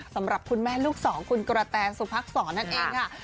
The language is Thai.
สำหรับคุณแม่ลูกสองคุณกระแตสุพักษรนั่นเองค่ะ